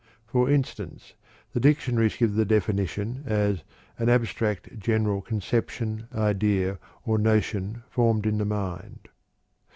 For instance, the dictionaries give the definition as "an abstract, general conception, idea, or notion formed in the mind."